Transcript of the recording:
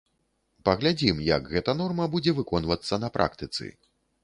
Паглядзім, як гэта норма будзе выконвацца на практыцы.